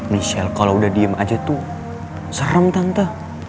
michelle kalau udah diem aja tuh serem tante